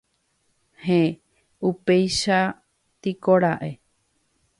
Héẽ, upéichatikora'e